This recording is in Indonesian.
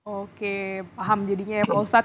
oke paham jadinya ya pak ustadz